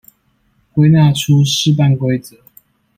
歸納出試辦規則